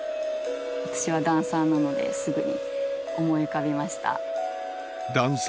私はダンサーなのですぐに思い浮かびました。